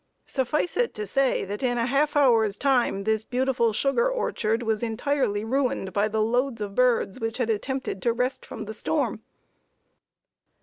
Suffice it to say that in a half hour's time this beautiful sugar orchard was entirely ruined by the loads of birds which had attempted to rest from the storm.